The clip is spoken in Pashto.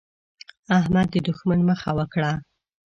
احمد د دوښمن مخه وکړه.